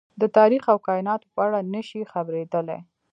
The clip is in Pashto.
د تاريخ او کايناتو په اړه نه شي خبرېدلی.